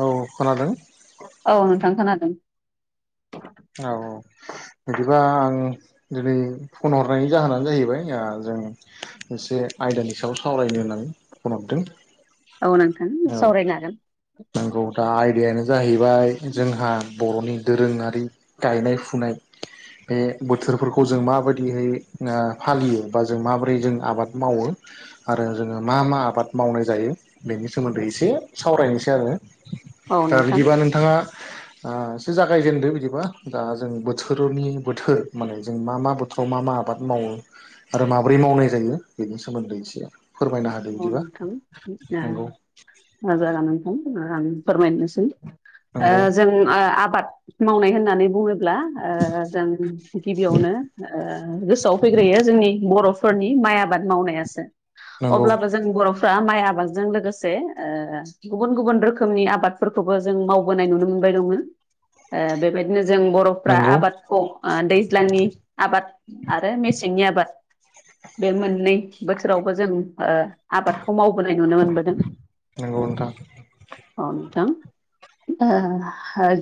औ खोनादों औ नोंथां खोनादों औ बिदिबा आं दिनै फन हरनायनि जाहोनानो जाहैबाय जों मोनसे आयदानि सायाव सावरायनो होननानै फन हरदों औ नोंथां औ सावरायनो हागोन नंगौ दा आयदायानो जाहैबाय जोंहा बर'नि दोरोङारि गायनाय फुनाय बे बोथोरफोरखौ जों माबादिहै फालियो बा जों माबोरै जों आबाद मावो। आरो जोङो मा मा आबाद मावनाय जायो बेनि सोमोन्दै एसे सावरायनोसै आरो। औ दा नोंथां बिदिबा नोंथाङासो एसे जागायजेनदो बिदिबा। दा जों बोथोरनि बोथोर माने जों मा मा बोथोराव मा मा आबाद मावो। आरो माब्रै मावनाय जायो बेनि सोमोन्दै एसे फोरमायना हादों औ बिदिबा नोंथां ओ नंगौ। जागोन नोंथां आं फोरमायनोसै नंगौ जों आबाद मावनाय होननानै बुङोब्ला जों गिबियावनो गोसोआव फैग्रोयो जोंनि बर' फोरनि माइ आबाद मावनायासो। नंगौ अब्लाबो जों बर'फ्रा माइ आबादजों लोगोसे गुबुन गुबुन रोखोमनि आबादफोरखौबो जों मावबोनाय नुनो मोनबाय दङो। बेबायदिनो जों बर' फ्रा आबादखौ दैज्लांनि आबाद आरो मेसेंनि आबाद बे मोननै बोसोरावबो जों आबादखौ मावबोनाय नुनो मोनबोदों। नंगौ नोंथां अ नोंथां।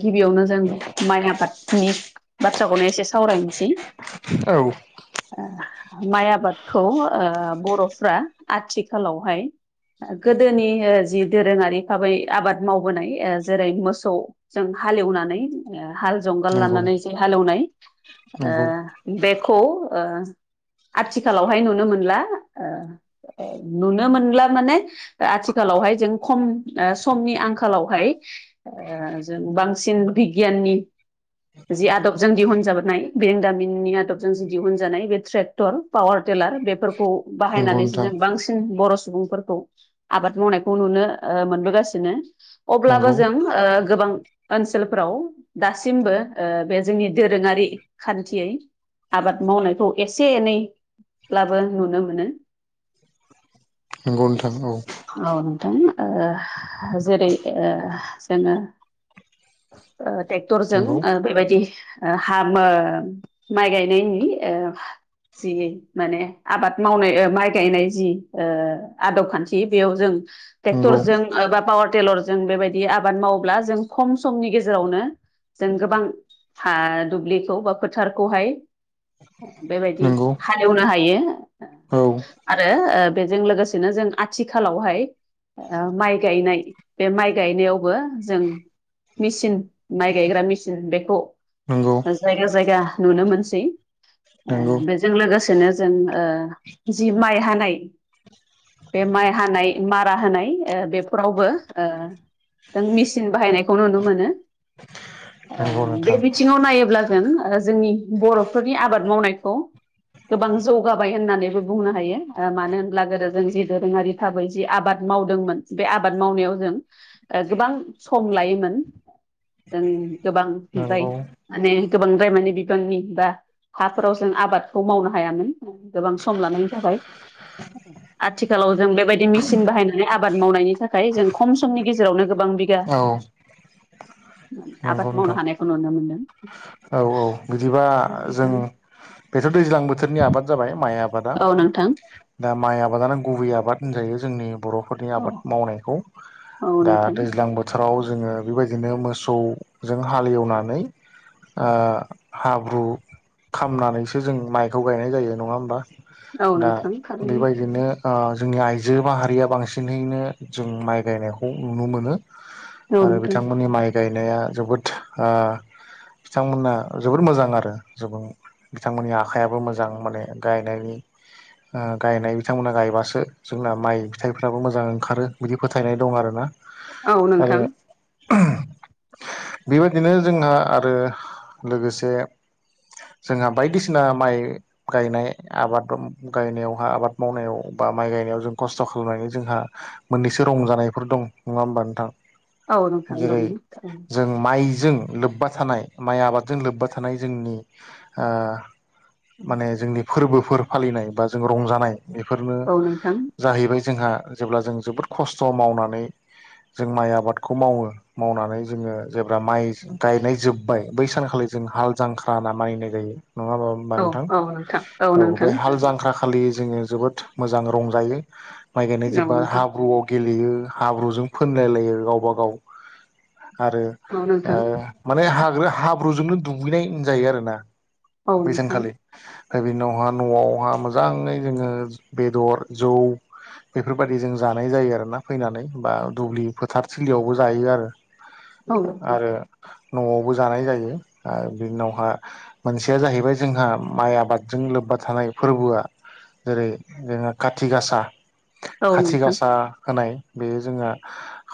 गिबियावनो जों माइ आबादनि बाथ्राखौनो एसे सावरायनोसै औ। माइ आबादखौ बर'फ्रा आथिखालावहाय। गोदोनि जि दोरोंङारि भाबै आबाद मावबोनाय जेरै- मोसौ जों हालेवनानै हाल जुंगाल नंगौ लानानै जो हालेवनाय नंगौ ओ बेखौ आथिखालावहाय नुनो मोनला। नुनो मोनानला माने आथिखालावहाय जों खम समनि आंखालावहाय जों बांसिन बिगियाननि जि आदबजों दिहुनजाबोनाय। बेरंदामिननि आदबजों ज दिहुनजानाय बे ट्रेक्टर पावार टिलार बेफोरखौ नंगौ बाहायनानै। नोंथां बांसिन बर' सुबुंफोरखौ आबाद मावनायखौ नुनो मोनबोगासिनो। अब्लाबो नंगौ ओ जों गोबां ओनसोलफ्राव दासिमबो बे जोंनि दोरोङारि खान्थियै आबाद मावनायखौ एसे एनैब्लाबो नुनो मोनो। नोंगौ नोंथां औ। औ नोंथां जेरै जोंङो ट्रेक्टरजों नंगौ बेबायदि हामो माइ गायनायनि जि माने आबाद मावनाय माइ गायनाय जि आदब खान्थि बेयाव जों नंगौ ट्रेक्टरजों बा पावार टिलारजों जों बेबायदि आबाद मावोब्ला जों खम समनि गेजेरावनो जों गोबां हा दुब्लिखौ बा फोथारखौहाय। बेबायदि नंगौ हालेवनो हायो। औ। आरो बेजों लोगोसेनो जों आथिखालावहाय माइ गायनाय बे माइ गायनायावबो जों मेचन माइ गायग्रा मेसिन बेखौ नंगौ जायगा जायगा नुनो मोनसै नंगौ बेजों लोगोसेनो जों जि माइ हानाय बे माइ हानाय मारा होनाय बेफोरावबो नों मेसिन बाहायनायखौ नुनो मोनो नंगौ बे नोंथां बिथिंङाव नायोब्ला आरो जोंनि बर'फोरनि आबाद मावनायखौ गोबां जौगाबाय होननानैबो बुंनो हायो मानो होनब्ला गोदो जों जि दोरोंङारि थाबै जि आबाद मावदोंमोन बे आबाद मावनायाव जों गोबां सम लायोमोन जों गोबां बिबाय नंगौ माने गोबांद्राय माने बिबांनि बा हाफोराव जों आबादखौ मावनो हायामोन गोबां सम लानायनि थाखाय आथिखालाव जों बेबायदि मेसिन बाहायनानै आबाद मावनायनि थाखाय जों खम समनि गेजेरावनो गोबां बिगा औ नंगौ आबाद मावनो नोंथां हानायखौ नुनो मोनदों औ औ बिदिबा जों बेथ' दैज्लां बोथोरनि आबाद जाबाय माइ आबाद औ नोंथां आबादा दा माइ आबादानो गुबै आबाद होनजायो जोंनि बर' नि औ आबाद मावनायखौ नोंथां औ दा नोंथां दैज्लां बो बोथोराव जोंङो बेबायदिनो मोसौजों हालेवनानै हाब्रु खालामामनानैसो जों माइखौ गायनाय जायो नङा होमबा औ दा नोंथां थारैनो बेबायदिनो जोंनि आइजो बा हारिया बांसिनहैनो जों माइ गायनायखौ नुनो मोनो औ आरो नोंथां बिथांमोननि माइ गायनाया जोबोद बिथांमोना जोबोद मोजां आरो जबो बिथांमोननि आखाइाबो मोजां माने गायनायनि गायनाय बिथांमोना गायबासो जोंना माइ फिथाइफ्राबो मोजां ओंखारो बिदि फोथायनाय दं आरो ना औ आरो नोंथां बेबायदिनो जोंहा आरो लोगोसे जोंहा बायदिसिना माइ गायनाय आबाद गायनायावहा आबाद मावनायाव बा माइ गायनायाव जों खस्थ' खालामनायनि जोंहा मोननैसो रंजानायफोर दं नङा होमबा नोंथां औ नोंथां जेरै दं जों माइजों लोब्बा थानाय माइ आबादजों लोब्बा थानाय जोंनि ओ माने जोंनि फोरबोफोर फालिनाय बा जों रंजानाय बेफोरनो औ नोंथां जाहैबाय जोंहा जेब्ला जों जोबोद खस्थ' मावनानै जों माइ आबादखौ मावो मावनानै जोङो जेब्ला माइ गायनाय जोब बाय बै सानखालि जों हाल जांख्रा होनना मानिनाय जायो नङा होमबा होमबा औ नोंथां औ नोंथां औ नोंथां बे हाल जांख्रा फालियो जोङो जोबोद मोजां रंजायो माइ गायनाय औ जोबबा नोंथां हाब्रुआव गेलेयो हाब्रुजों फोनलायलायो गावबा गाव आरो औ ओ नोंथां माने हाग्रा हाब्रुजोंनो दुगैनाय जायो आरो ना औ बेै नोंथां सानखालि बिनि उनावहा न'आवहा मोजाङै जोङो बेदर जौ बेफोरबायदि जों जानाय जायो आरोना फैनानै बा दुब्लि फोथारथिलियावबो जायो आरो औ नोंथां आरो न'आवबो जानाय जायो आरो बि उनावहा मोनसेया जाहैबाय जोंहा माइ आबादजों लोब्बा थानाय फोरबोआ जेरै जोङो खाथि गासा औ खाथि नोंथां गासा होनाय बेयो जोंहा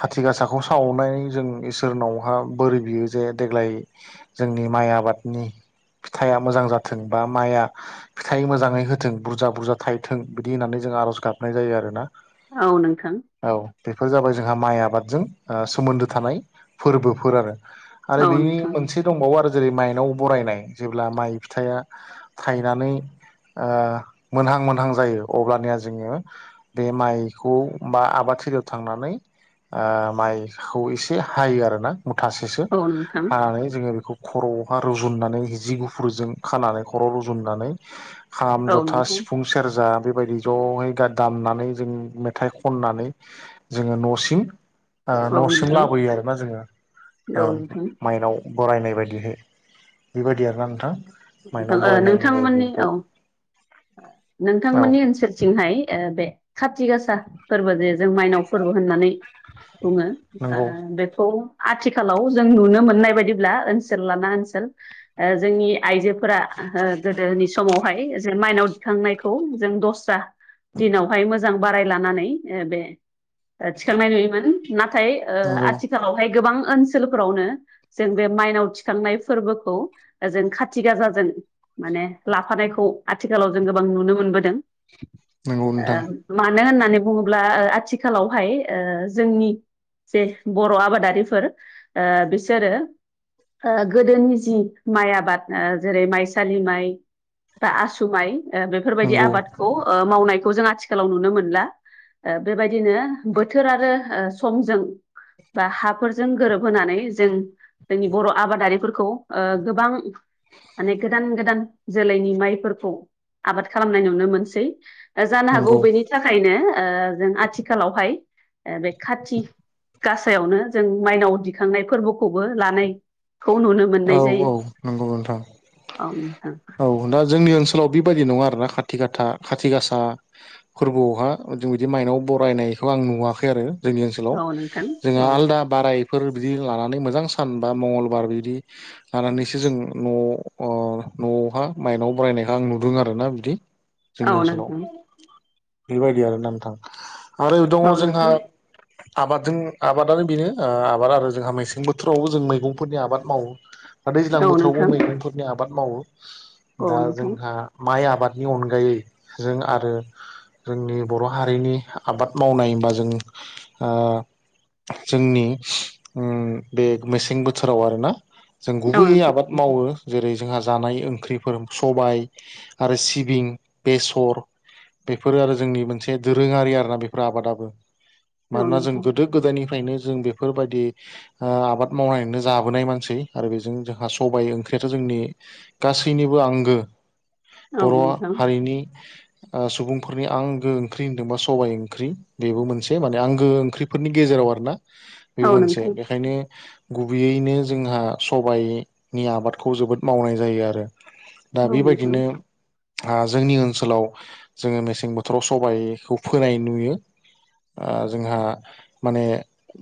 खाथि गासाखौ सावनानै जों इसोरनावहा बोर बियो जे देग्लाय जोंनि माइ आबादनि फिथाइया मोजां जाथों बा माइआ फिथाइ मोजाङै होथों बुरजा बुरजा थायथों बिदि होननानै जों आर'ज गाबनाय जायो आरोना औ नोंथां औ बेफोर जाबाय जोंहा माइ आबादजों सोमोन्दो थानाय फोरबोफोर आरो आरो औ बेनि नोंथां मोनसे दंबावो आरो जेरै माइनाव बरायनाय जेब्ला माइ फिथाइया थायनानै ओ मोनहां मोनहां जायो अब्लानिया जोङो बे माइखौ बा आबाद थलियाव थांनानै ओ माइखौ एसे हायो आरोना मुथासेसो औ नोंथां हानानै जोङो बेखौ खर'आवहा रुजुननानै जि गुफुरजों खानानै खर'आव रुजुननानै खाम औ जथा नोंथां सिफुं सेरजा बेबायदि ज'है दामनानै जों मेथाइ खननानै जोङो न'सिम औ न'सिम नोंथां लाबोयो आरोना जोङो औ नोंथां माइनाव बरायनाय बायदिहै बेबायदि आरोना नोंथां माइनाव बरायनाय होनजायो नोंथांमोननि बेखौ औ औ नोंथांमोननि ओनसोल थिंहाय ओ बे खाथि गासा फोरबो जे जों माइनाव फोरबो होननानै बुङो आ नंगौ बेखौ आथिखालाव जों नुनो मोननाय बायदिब्ला ओनसोल लाना ओनसोल जोंनि आइजोफोरा गोदोनि समावहाय जों माइनाव दिखांनायखौ जों दस्रा दिनावहाय मोजां बाराय लानानै बे थिखांनाय नुयोमोन नाथाय ओ आथि नंगौ आथिखालावहाय गोबां ओनसोलफोरावनो जों बे माइनाव थिखांनाय फोरबोखौ जों खाथि थि गासाजों माने लाफानायखौ आथिखालाव जों गोबां नुनो मोनबोदों नंगौ नोंथां ओ मानो होननानै बुङोब्ला ओ आथिखालावहाय ओ जोंनि जे बर' आबादारिफोर ओ बिसोरो गोदोनि जि माइ आबाद ओ जेरै माइसालि माइ बा आसु माइ बेफोरबायदि नंगौ आबाद मावनायखौ जों आथिखालाव नुनो मोनला ओ बेबायदिनो बोथोर आरो ओ समजों बा हाफोरजों गोरोबहोनानै जों जोंनि बर' आबादारिफोरखौ गोबां माने गोदान गोदान जोलैनि माइफोरखौ आबाद खालामनाय नुनो मोनसै जानो हागौ नंगौ बेनि थाखायनो जों आथिखालावहाय बे खाथि गासायावनो जों माइनाव दिखांनाय फोरबोखौबो लानाय खौ नुनो मोनो औ औ नंगौ नोंथां औ नोंथां औ दा जोंनि ओनसोलाव बेबायदि नङा आरो ना खाथि खाथा खाथि गासा फोरबोआवहा जों बिदि माइनाव बरायनायखौ आं नुवाखै आरो जोंनि ओनसोलाव नोंथां जोंहा औ आलदा बारायफोर बिदि लानानै मोजां सान बा मंगलबार बिदि लानानैसो जों न'आव न'आवहा मायनाव बरायनायखौ आं नुदों आरो ना बिदि जोंनि ओनसोलाव नोंथां बेबायदि आरो ना नोंथां आरो दङ औ नोंथां औ जोंहा आबादजों आबादानो बेनो आबाद आरो जोंहा मेसें बोथोरावबो जों मैगंफोरनि आबाद मावो दा दैज्लां बोथोरावबो नोंथां मैगंफोरनि आबाद मावो औ नोंथां दा औ नोंथां जोंहा माइ आबादनि अनगायै जों आरो जोंनि बर' हारिनि आबाद मावनाय होनबा जों जोंनि बे मेसें बोथोराव आरोना जों औ गुबैयै नोंथां आबाद मावो जेरै जोंहा जानाय ओंख्रिफोर सबाय आरो सिबिं बेसर बेफोरो आरो जोंनि मोनसे दोरोङारि आरोना बेफोर आबादाबो मानोना जों गोदो गोदायनिफ्रायनो जों बेफोरबायदि आबाद मावनानैनो जाबोनाय मानसि आरो बेजों जोंहा सबाय ओंख्रियाथ' जोंनि गासैनिबो आंगो औ बर' नोंथां हारिनि सुबुंफोरनि आंगो ओंख्रि होनदोंबा सबाइ ओंख्रि बेबो मोनसे माने आंगो ओंख्रिफोरनि गेजेराव आरोना बेबो औ मोनसे नोंथां बेखायनो गुबैयैनो जोंहा सबाइनि आबादखौ जोबोद मावनाय जायो आरो दा औ बेबायदिनो नोंथां जोंनि ओनसोलाव जोङो मेसें बोथोराव सबाइखौ फोनाय नुयो जोंहा माने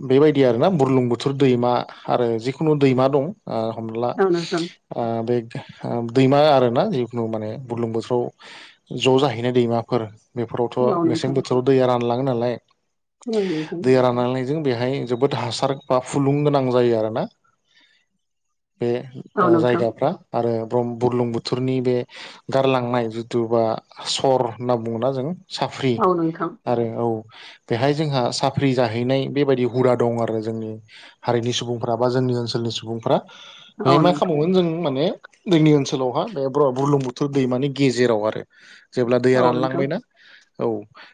बेबायदि आरोना बुरलुंबुथुर दैमा आरो जिखुनु दैमा दं ओ हमना ला औ नोंथां बे दैमा आरोना जिखुनु माने बुरलुंबुथुराव ज' जाहैनाय दैमाफोर औ बेफोरावथ' मेसें नोंथां बोथोराव दैया रानलाङो नालाय औ दैया रान लांनायजों बेहाय जोबोद हासार बा फुलुं गोनां जायो आरोना बे नोंथां जायगाफ्रा आरो ब्रम बुरलुंबुथुरनि बे गारलांनाय जिथु बा सर होनना बुङोना जों साफ्रि औ नोंथां औ नोंथां औ नोंथां आरो औ बेहाय जोंहा साफ्रि जाहैनाय बेबायदि हुदा दं आरो जोंनि हारिनि सुबुंफ्रा बा जोंनि ओनसोलनि सुबुंफ्रा बेहाय औ मा नोंथां खालामबावगोन जों माने जोंनि ओनसोलावहा बे ब्र बुरलुंबुथुर दैमानि गेजेराव आरो जेब्ला दैया औ नोंथां रानलांबायना औ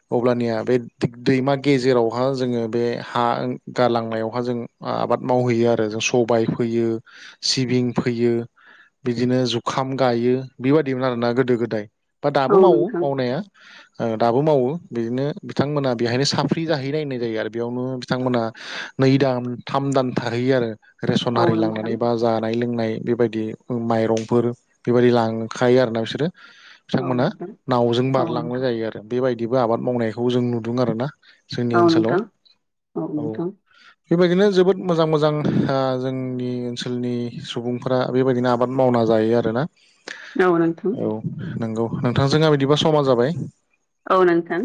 अब्लानिया बे दिग दैमा गेजेरावहा जोङो बे हा गारलांनायावहा जों आबाद मावहैयो आरो जों सबाय फोयो सिबिं फोयो बिदिनो जुखाम गायो बेबायदिमोन आरोना गोदो गोदाय बा औ दाबो मावो नोंथां मावनाया ओ दाबो मावो बिदिनो बिथांमोना बेहायनो साफ्रि जाहैनाय होननाय जायो आरो बेयावनो बिथांमोना नै दान थाम दान थाहैयो आरोे रे औ सनहारि नोंथां लांनानै बा जानाय लोंनाय बेबायदि माइरंफोर बेबायदि लांखायो आरोना बिसोरो औ बिथांमोना नोंथां नावजों औ बारलांनाय नोंथां जायो आरो बेबायदिबो आबाद मावनायखौ जों नुदों आरोना जोंनि औ ओनसोलाव नोंथां औ बेबायदिनो जोबोद मोजां मोजां आ जोंनि ओनसोलनि सुबुंफोरा बेबायदिनो आबाद मावना जायो आरोना औ नोंथां औ नोंगौ नोंथांजोंहा बिदिबा समा जाबाय औ नोंथां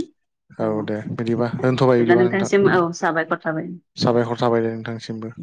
औ दे बिदिबा औ दोनथ'बाय जब्ला बिदिबा नोंथां नोंथांनिसिम औ साबायखर थाबाय साबायखर थाबायदे नोंथांसिमबो